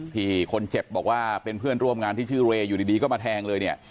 ที่คนเจ็บบอกว่าเป็นเพื่อนร่วมงานที่ชื่อเรย์อยู่ดีก็มาแทงเลยเนี่ย